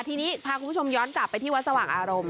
ทีนี้พาคุณผู้ชมย้อนกลับไปที่วัดสว่างอารมณ์